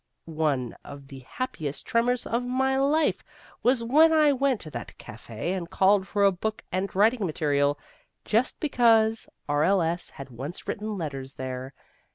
One of the happiest tremors of my life was when I went to that café and called for a bock and writing material, just because R.L.S. had once written letters there.